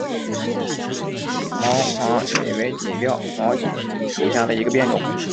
毛麻楝为楝科麻楝属下的一个变种。